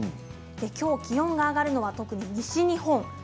きょう気温が上がるのは特に西日本。